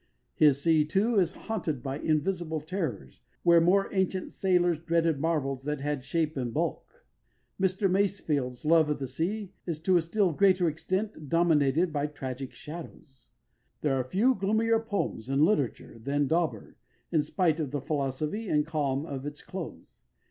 His sea, too, is haunted by invisible terrors, where more ancient sailors dreaded marvels that had shape and bulk. Mr Masefield's love of the sea is to a still greater extent dominated by tragic shadows. There are few gloomier poems in literature than Dauber in spite of the philosophy and calm of its close.